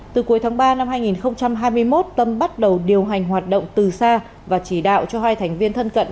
từ cuối tháng ba năm hai nghìn hai mươi một tâm bắt đầu điều hành hoạt động từ xa và chỉ đạo cho hai thành viên thân cận